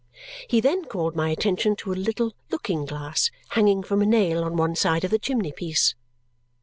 He then called my attention to a little looking glass hanging from a nail on one side of the chimney piece.